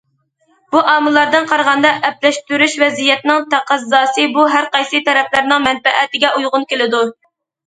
بۇ ئامىللاردىن قارىغاندا، ئەپلەشتۈرۈش ۋەزىيەتنىڭ تەقەززاسى، بۇ ھەر قايسى تەرەپلەرنىڭ مەنپەئەتىگە ئۇيغۇن كېلىدۇ.